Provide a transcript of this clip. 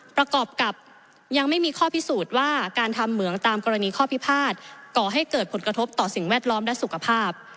ประกอบกับยังไม่มีข้อพิสูจน์ว่าการทำเหมืองตามกรณีข้อพิพาทก่อให้เกิดผลกระทบต่อสิ่งแวดล้อมและสุขภาพ